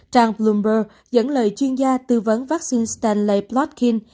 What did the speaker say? trang bloomberg dẫn lời chuyên gia tư vấn vắc xin stanley plotkin